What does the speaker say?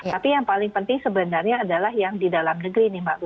tapi yang paling penting sebenarnya adalah yang di dalam negeri nih mbak